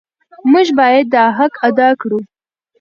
موږ باید دا حق ادا کړو.